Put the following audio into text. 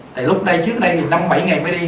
tại lúc này trước đây thì năm bảy ngày mới đi